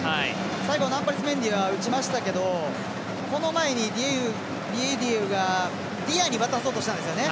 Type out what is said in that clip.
最後、ナンパリス・メンディは打ちましたけどこの前にディエディウがディアに渡そうとしたんですよね。